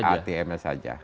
tinggal gesek atm nya saja